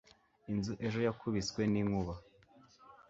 inzu ejo yakubiswe n'inkuba